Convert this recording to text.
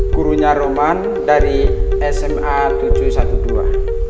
gurunya roman dari sma tujuh ratus dua belas